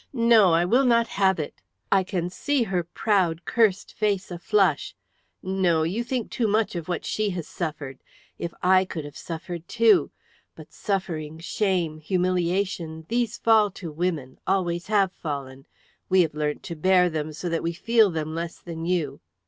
No, I will not have it! I can see her proud cursed face a flush. No! You think too much of what she has suffered. If I could have suffered too! But suffering, shame, humiliation, these fall to women, always have fallen. We have learnt to bear them so that we feel them less than you.